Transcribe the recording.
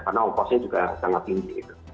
karena omposnya juga sangat tinggi